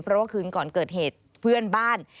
เพราะว่าคืนก่อนเกิดเหตุเพื่อนบ้าน